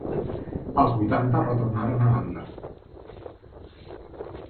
Als vuitanta retornaren a la vila.